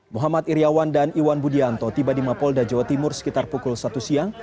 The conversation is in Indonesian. muhammad iryawan dan iwan budianto tiba di mapolda jawa timur sekitar pukul satu siang